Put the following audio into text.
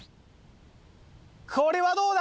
これはどうだ？